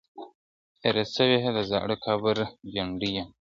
هېره سوې د زاړه قبر جنډۍ یم